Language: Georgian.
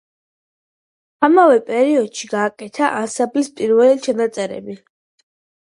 ამავე პერიოდში გაკეთდა ანსამბლის პირველი ჩანაწერები.